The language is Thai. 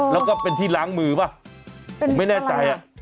แล้วก็เป็นที่ล้างมือป่ะผมไม่แน่ใจ